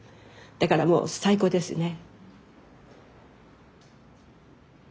だからもう最高ですね。